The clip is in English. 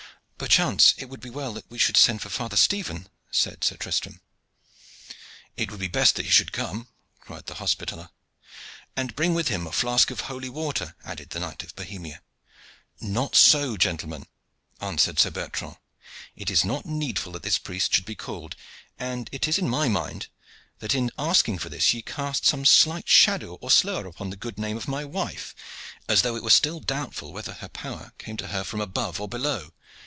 "Perchance it would be as well that we should send for Father Stephen," said Sir Tristram. "It would be best that he should come," cried the Hospitaller. "And bring with him a flask of holy water," added the knight of Bohemia. "Not so, gentlemen," answered Sir Bertrand. "It is not needful that this priest should be called, and it is in my mind that in asking for this ye cast some slight shadow or slur upon the good name of my wife, as though it were still doubtful whether her power came to her from above or below.